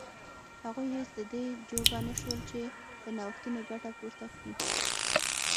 هغوی هېڅ د دې جوګه نه شول چې له نوښتونو ګټه پورته کړي.